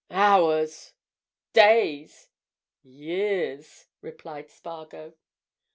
"Hours—days—years!" replied Spargo.